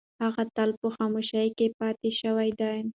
هغه تل په خاموشۍ کې پاتې شوې ده.